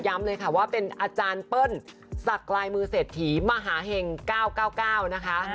เลยค่ะว่าเป็นอาจารย์เปิ้ลสักลายมือเศรษฐีมหาเห็ง๙๙๙นะคะ